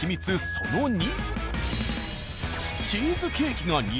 その２。